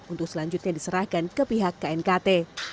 untuk selanjutnya diserahkan ke pihak knkt